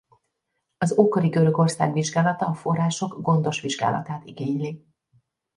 Az ókori Görögország vizsgálata a források gondos vizsgálatát igényli.